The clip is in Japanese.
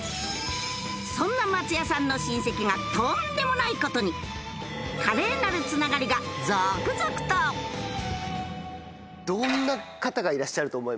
そんな松也さんの親戚がとんでもないことに華麗なるつながりが続々とどんな方がいらっしゃると思います？